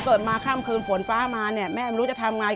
เกิดมาข้ามคืนฝนฟ้ามาเนี่ยแม่มันรู้จะทำยังไง